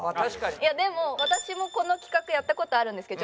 いやでも私もこの企画やった事あるんですけど。